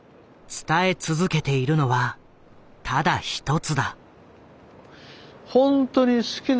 伝え続けているのはただ一つだ。